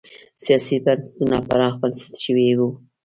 سیاسي بنسټونه پراخ بنسټه شوي نه وو.